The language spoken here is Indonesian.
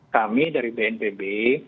kami dari bnpb